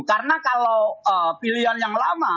karena kalau pilihan yang lama